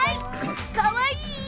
かわいい！